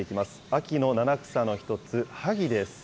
秋の七草の一つ、ハギです。